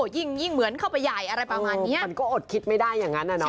ยิ่งยิ่งเหมือนเข้าไปใหญ่อะไรประมาณเนี้ยมันก็อดคิดไม่ได้อย่างนั้นอ่ะเนาะ